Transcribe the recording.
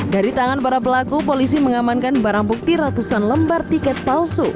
dari tangan para pelaku polisi mengamankan barang bukti ratusan lembar tiket palsu